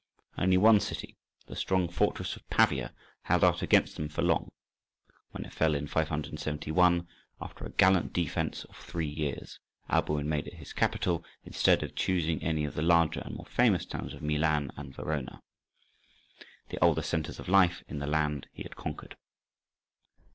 Only one city, the strong fortress of Pavia, held out against them for long; when it fell in 571, after a gallant defence of three years, Alboin made it his capital, instead of choosing one of the larger and more famous towns of Milan and Verona, the older centres of life in the land he had conquered.